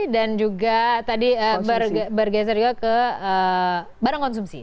juga tadi bergeser juga ke barang konsumsi